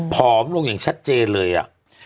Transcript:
ผอมลงอย่างชัดเจนเลยอ่ะ